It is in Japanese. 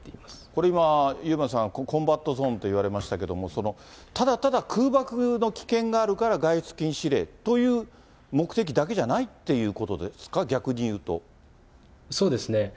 これ、今、遊馬さんコンバットゾーンと言われましたけど、その、ただただ空爆の危険があるから、外出禁止令という目的だけじゃないっていうそうですね。